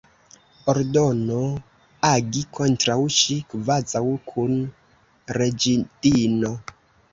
Ordono, agi kontraŭ ŝi, kvazaŭ kun reĝidino.